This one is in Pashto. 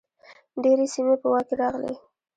ډیرې سیمې په واک کې راغلې.